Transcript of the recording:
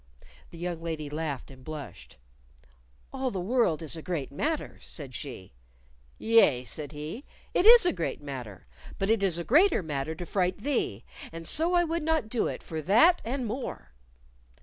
The young lady laughed and blushed. "All the world is a great matter," said she. "Yea," said he, "it is a great matter; but it is a greater matter to fright thee, and so I would not do it for that, and more."